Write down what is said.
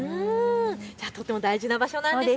じゃあ、とっても大事な場所なんですね。